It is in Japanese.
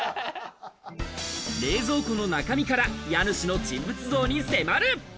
冷蔵庫の中身から家主の人物像に迫る。